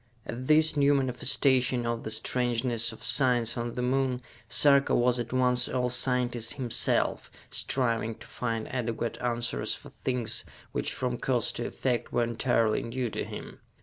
At this new manifestation of the strangeness of science on the Moon, Sarka was at once all scientist himself, striving to find adequate answers for things which, from cause to effect, were entirely new to him.